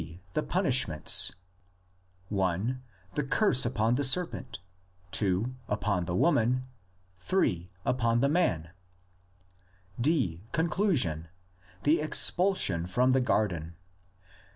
The punishments: (i) the curse upon the serpent, (2) upon the woman, (3) upon the man; IV. Conclusion: the expulsion from the garden.